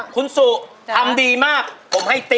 คุณสุทำดีมากผมให้ติ๊